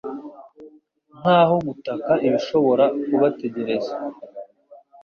nkaho gutaka ibishobora kubategereza